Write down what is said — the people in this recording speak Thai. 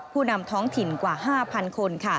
ผู้นำท้องถิ่นกว่า๕๐๐คน